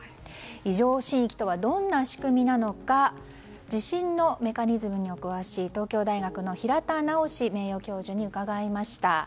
異常震域とはどんな仕組みなのか地震のメカニズムにお詳しい東京大学の平田直名誉教授に伺いました。